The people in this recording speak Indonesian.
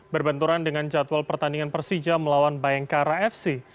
berbenturan dengan jadwal pertandingan persija melawan bayangkara fc